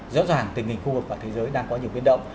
rõ ràng tình hình khu vực và thế giới đang có nhiều biến động